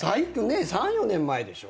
３４年前でしょ。